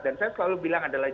dan saya selalu bilang adalah